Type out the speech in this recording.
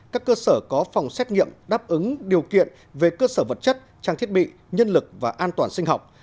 các cơ sở có phòng xét nghiệm đáp ứng điều kiện về cơ sở vật chất trang thiết bị nhân lực và an toàn sinh học